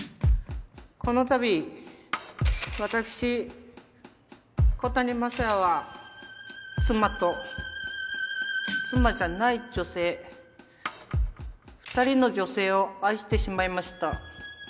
このたび私小谷雅也は妻と妻じゃない女性２人の女性を愛してしまいました。